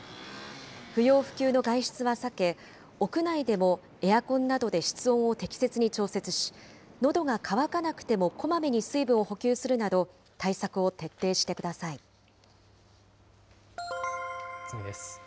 不要不急の外出は避け、屋内でもエアコンなどで室温を適切に調節し、のどが渇かなくてもこまめに水分を補給するなど、対策を徹底して次です。